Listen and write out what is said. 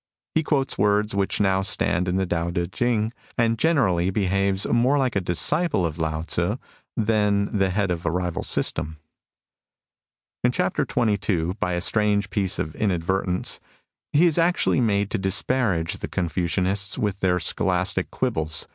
He quotes words which now stand in the Too T4 Ching, and generally behaves more like a disciple of Lao Tzu than as the head of a rival system. In chapter xxii, by a strange piece of inad vertence, he is actually made to disparage the Confucianists with their scholastic quibbles.